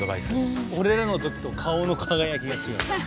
俺らのときと顔の輝きが違う。